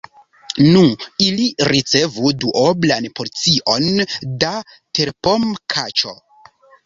Nu, ili ricevu duoblan porcion da terpomkaĉo.